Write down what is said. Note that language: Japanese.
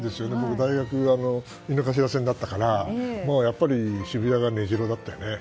大学が井の頭線だったから渋谷が根城だったよね。